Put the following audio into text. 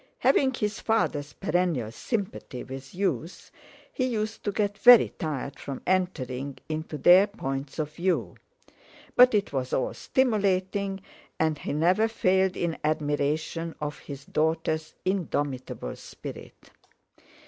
Having his father's perennial sympathy with Youth, he used to get very tired from entering into their points of view. But it was all stimulating, and he never failed in admiration of his daughter's indomitable spirit.